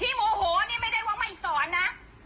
โมโหนี่ไม่ได้ว่าไม่สอนนะ